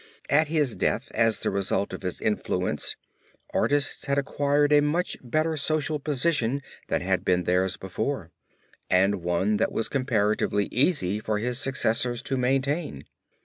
At his death, as the result of his influence, artists had acquired a much better social position than had been theirs before, and one that it was comparatively easy for his successors to maintain.